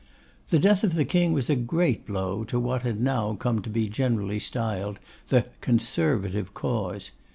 The death of the King was a great blow to what had now come to be generally styled the 'Conservative Cause.